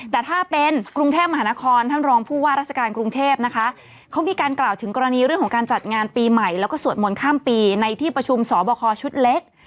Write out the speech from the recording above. แต่ถ้าเป็นกรุงเทพมหานครท่านรองผู้ว่าราชการกรุงเทพนะคะเขามีการกล่าวถึงกรณีเรื่องของการจัดงานปีใหม่แล้วก็สวดมนต์ข้ามปีในที่ประชุมสอบคอชุดเล็ก